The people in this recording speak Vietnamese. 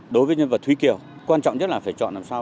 đối với nhân vật thúy kiều quan trọng nhất là phải chọn làm sao